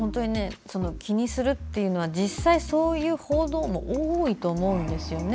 気にするというのは実際そういう報道も多いと思うんですよね。